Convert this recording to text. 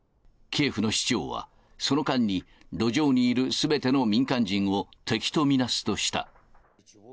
キエフの市長は、その間に路上にいるすべての民間人を敵と見なすとした。